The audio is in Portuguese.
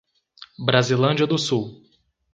Brasilândia do Sul